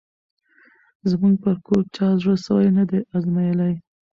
زموږ پر کور چا زړه سوی نه دی آزمییلی